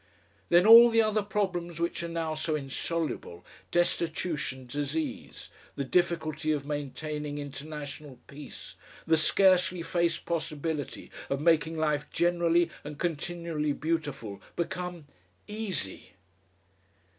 Then all the other problems which are now so insoluble, destitution, disease, the difficulty of maintaining international peace, the scarcely faced possibility of making life generally and continually beautiful, become EASY....